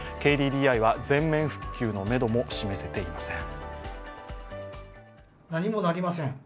ＫＤＤＩは全面復旧のめども示せていません。